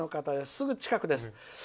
すぐ近くです。